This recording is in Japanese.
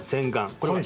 これはね